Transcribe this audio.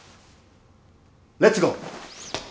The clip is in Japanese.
レッツゴー！